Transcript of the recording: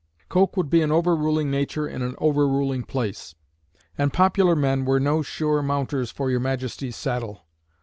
Coke would be "an overruling nature in an overruling place," and "popular men were no sure mounters for your Majesty's saddle."